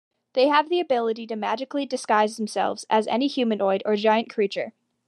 They have the ability to magically disguise themselves as any humanoid or giant creature.